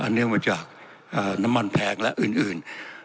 เนื่องมาจากน้ำมันแพงและอื่น